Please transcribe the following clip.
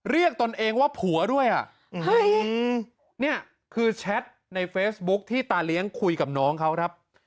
ตนเองว่าผัวด้วยอ่ะเฮ้ยนี่คือแชทในเฟซบุ๊คที่ตาเลี้ยงคุยกับน้องเขาครับ